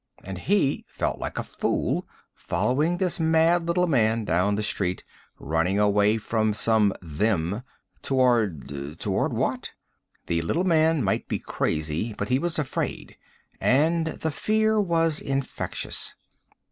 And he felt like a fool, following this mad little man down the street, running away from some "them" toward toward what? The little man might be crazy, but he was afraid. And the fear was infectious.